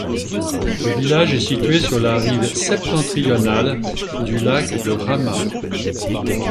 Le village est situé sur la rive septentrionale du lac de Rama.